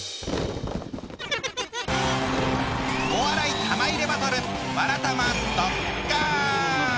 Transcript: お笑い玉入れバトル